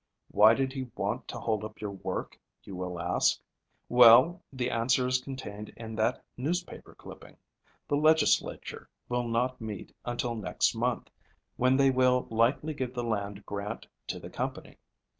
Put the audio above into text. Why did he want to hold up your work, you will ask. Well, the answer is contained in that newspaper clipping. The legislature will not meet until next month, when they will likely give the land grant to the company.